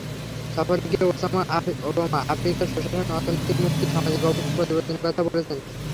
সফরে গিয়ে ওবামা আফ্রিকায় সুশাসন, অর্থনৈতিক মুক্তি, সামাজিক অবস্থা পরিবর্তনের কথা বলেছেন।